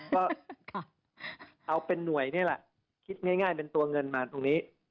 ก็เอาเป็นหน่วยนี่แหละคิดง่ายเป็นตัวเงินมาตรงนี้